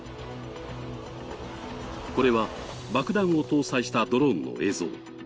これは爆弾を搭載したドローンの映像。